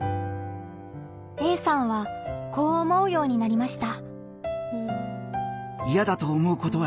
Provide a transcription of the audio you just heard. Ａさんはこう思うようになりました。